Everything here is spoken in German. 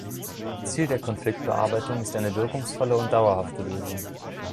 Ziel der Konfliktbearbeitung ist eine wirkungsvolle und dauerhafte Lösung.